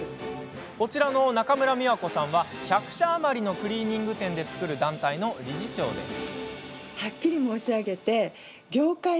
こちらの中村美和子さんは１００社余りのクリーニング店で作る団体の理事長です。